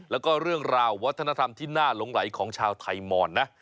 แล้วก็เรื่องราววัฒนธรรมที่น่าหลงไหลของชาวไทยมอนนะ